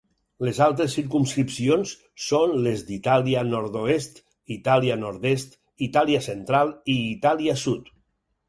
Les altres circumscripcions són les d'Itàlia nord-oest, Itàlia nord-est, Itàlia central i Itàlia sud.